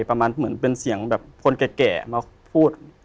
ประมาณเหมือนเป็นเสียงแบบคนแก่มาพูด